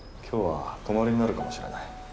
今日は泊まりになるかもしれない。